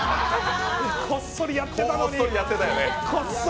こっそりやってたのに！